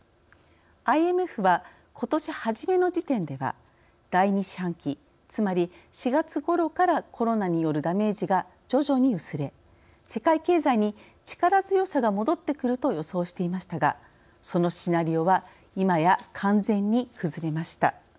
ＩＭＦはことしはじめの時点では第２四半期、つまり４月ごろからコロナによるダメージが徐々に薄れ世界経済に力強さが戻ってくると予想していましたがそのシナリオはいまや完全に崩れました。